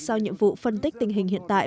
sau nhiệm vụ phân tích tình hình hiện tại